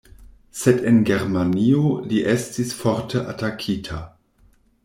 Sed en germanio li estis forte atakita.